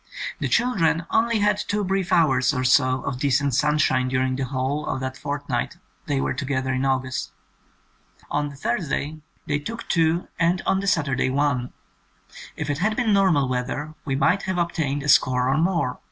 The children only had two brief hours or so of decent sunshine during the whole of that fortnight they were together in August. On the Thursday they 101 THE COMING OF THE FAIRIES took two and on the Saturday one. If it had been normal weather we might have ob tained a score or more.